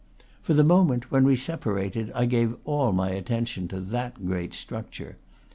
For the moment, when we separated, I gave all my attention to that great structure.